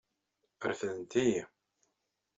Refdent-iyi.